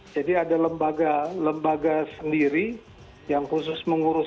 jadi ada lembaga lembaga sendiri yang khusus menggunakan